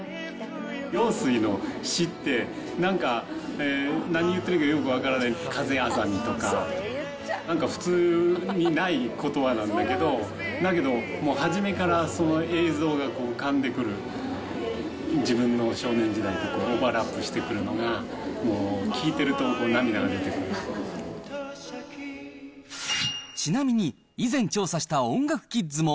陽水の詞って、なんか、何言ってるかよく分からない、風あざみとか、なんか普通にないことばなんだけど、だけど、もう初めからその映像が浮かんでくる、自分の少年時代とオーバーラップしてくるのが、ちなみに、以前調査した音楽キッズも。